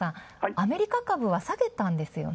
アメリカ株は下げたんですよね。